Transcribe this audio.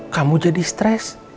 kamu jadi stres